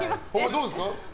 どうですか？